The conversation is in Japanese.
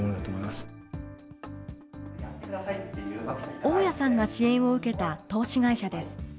大屋さんが支援を受けた投資会社です。